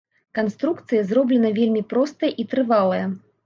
Канструкцыя зроблена вельмі простая і трывалая.